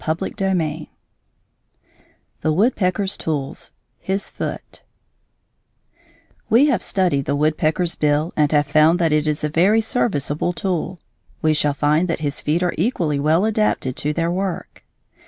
XII THE WOODPECKER'S TOOLS: HIS FOOT We have studied the woodpecker's bill and have found that it is a very serviceable tool. We shall find that his feet are equally well adapted to their work.